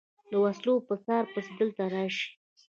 د وسلو په څار پسې دلته راشي.